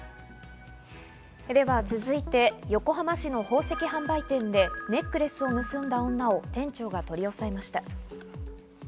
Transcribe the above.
続いて、横浜市の宝石販売店でネックレスを盗んだ女を店長が取り押さえました。